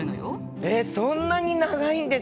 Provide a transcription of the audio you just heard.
えっそんなに長いんですね！